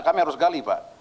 kami harus gali pak